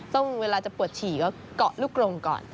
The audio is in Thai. เวลาจะปวดฉี่ก็เกาะลูกลงก่อน